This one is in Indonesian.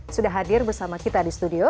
sudah hadir bersama kita di studio